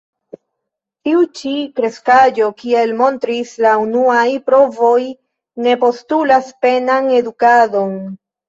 Tiu ĉi kreskaĵo, kiel montris la unuaj provoj, ne postulas penan edukadon.